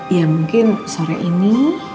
ya mungkin sore ini